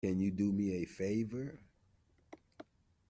Can you do me a favor?